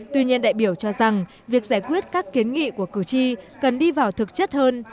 tuy nhiên đại biểu cho rằng việc giải quyết các kiến nghị của cử tri cần đi vào thực chất hơn